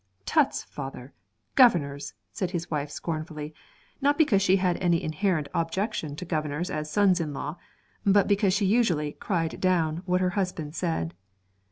'Tuts, father, Governors!' said his wife scornfully, not because she had any inherent objection to Governors as sons in law, but because she usually cried down what her husband said.